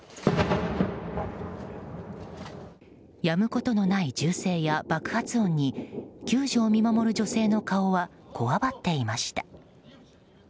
やむことのない銃声や爆発音に救助を見守る女性の顔はこわばっていました。